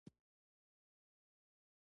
اداره د عامه چارو د سمون لپاره پلان جوړوي.